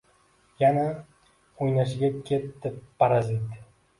Yana uynashig‘a kitti, parazit.